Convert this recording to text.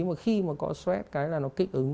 mà khi mà có stress cái là nó kích ứng